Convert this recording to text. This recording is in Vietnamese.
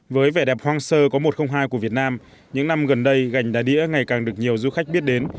với vẻ đẹp hoang sơ có một trăm linh hai của việt nam những năm gần đây gành đá đĩa ngày càng được nhiều du khách biết đến